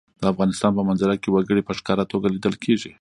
د افغانستان په منظره کې وګړي په ښکاره توګه لیدل کېږي.